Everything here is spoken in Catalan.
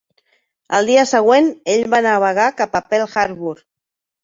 Al dia següent ell va navegar cap a Pearl Harbor.